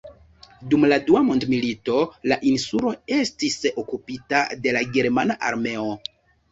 Dum la Dua mondmilito la insulo estis okupita de la germana armeo.